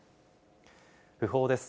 訃報です。